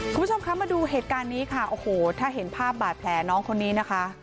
คุณผู้ชมคะมาดูเหตุการณ์นี้ค่ะโอ้โหถ้าเห็นภาพบาดแผลน้องคนนี้นะคะ